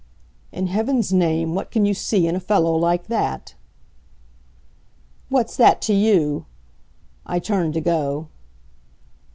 "In heaven's name, what can you see in a fellow like that?" "What's that to you?" I turned to go.